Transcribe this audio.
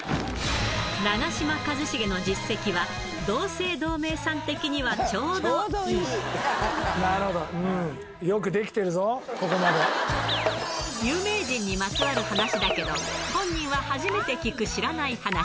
長嶋一茂の実績は、同姓同名なるほど、うん、よく出来て有名人にまつわる話だけど、本人は初めて聞く知らない話。